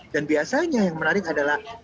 dan biasanya yang menarik adalah